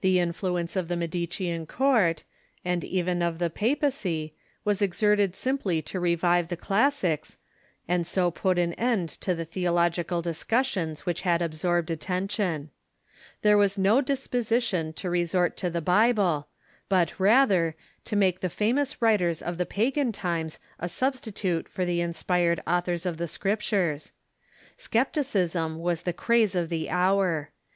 •' Tendency fluence of the Medicean court, and even of the of utnanism pr^p^.j(,y^ ^y^g exerted simply to revive the classics, and so jDut an end to the theological discussions which had absorbed attention. There was no disposition to resort to the Bible, but, rather, to make the famous writers of the pa gan times a substitute for the inspired authors of the Script ures, Scepticism was the craze of the hour.